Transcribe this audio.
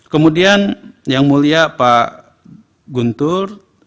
kemudian yang mulia pak guntur